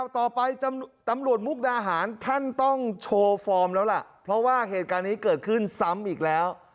ตำรวจมุกดาหารท่านต้องโชว์ฟอร์มแล้วล่ะเพราะว่าเหตุการณ์นี้เกิดขึ้นซ้ำอีกแล้ว